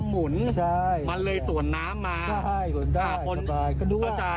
มันเลยสวนน้ำมา